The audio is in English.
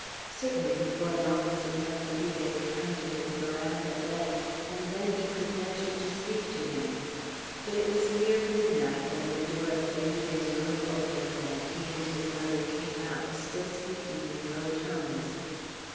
Certainly before long Senor Felipe would come to his veranda bed, and then he could venture to speak to him. But it was near midnight when the door of Felipe's room opened, and he and his mother came out, still speaking in low tones.